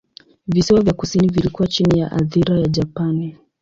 Visiwa vya kusini vilikuwa chini ya athira ya Japani.